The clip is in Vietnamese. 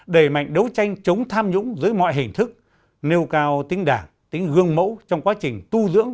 đẩy mạnh đấu tranh chống tham nhũng dưới mọi hình thức nêu cao tính đảng tính gương mẫu trong quá trình tu dưỡng